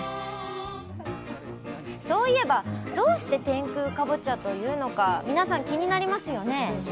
そういえばどうして天空かぼちゃというのか皆さん気になりますよね。